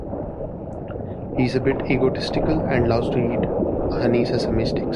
He is a bit egotistical and loves to eat honey-sesame sticks.